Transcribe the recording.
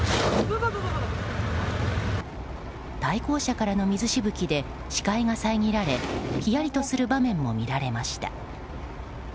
対向車からの水しぶきで視界が遮られヒヤリとする場面も見られました。